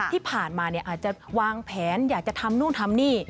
ที่ผ่านมาอาจจะวางแผนอยากจะทำนู่นทำนี่